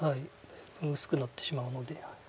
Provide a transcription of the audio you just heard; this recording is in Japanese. もう薄くなってしまうので。